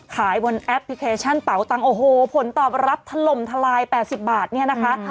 ขายบนแอปพลิเคชันเป๋าตังค์โอ้โหผลตอบรับถล่มทลาย๘๐บาทเนี่ยนะคะ